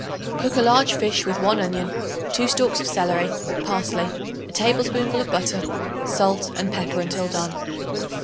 Cook a large fish with 1 onion, 2 stalks of celery, parsley, a tablespoonful of butter, salt and pepper until done.